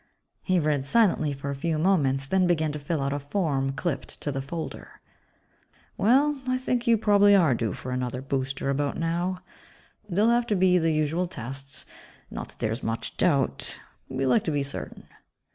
He read silently for a few moments, then began to fill out a form clipped to the folder. "Well, I think you probably are due for another booster about now. There'll have to be the usual tests. Not that there's much doubt ... we like to be certain."